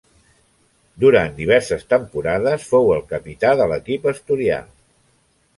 Durant diverses temporades fou el capità de l'equip asturià.